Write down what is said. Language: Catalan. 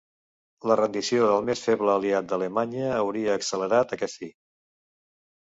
La rendició del més feble aliat d'Alemanya hauria accelerat aquest fi.